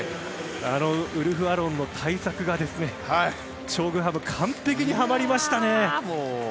ウルフ・アロンの対策がチョ・グハムに完璧にはまりましたね。